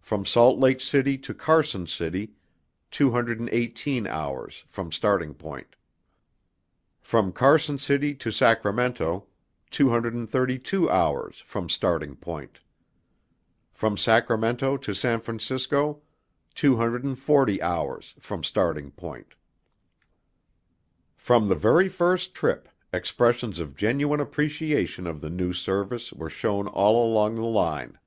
From Salt Lake City to Carson City 218 hours, from starting point. From Carson City to Sacramento 232 hours, from starting point. From Sacramento to San Francisco 240 hours, from starting point. From the very first trip, expressions of genuine appreciation of the new service were shown all along the line.